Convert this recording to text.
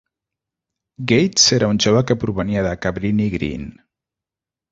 Gates era un jove que provenia de Cabrini-Green.